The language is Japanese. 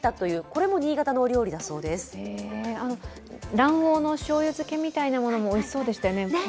卵黄のしょう油漬けみたいなものもおいしそうでしたよね。